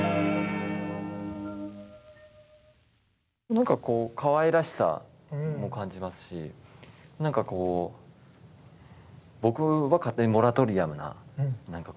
何かこうかわいらしさも感じますし何かこう僕は勝手にモラトリアムな印象を感じましたけどね。